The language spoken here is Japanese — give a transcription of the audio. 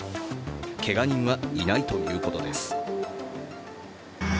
けが人はいないということです。